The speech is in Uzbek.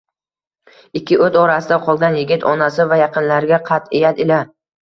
Ikki o`t orasida qolgan yigit onasi va yaqinlariga qat`iyat ila